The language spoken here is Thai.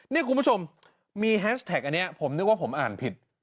นี่คุณผู้ชมมีแฮชแท็กอันนี้ผมนึกว่าผมอ่านผิด